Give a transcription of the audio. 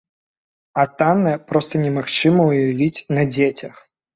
А таннае проста немагчыма ўявіць на дзецях.